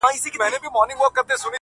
زما هينداره زما زړه او زما پير ورک دی_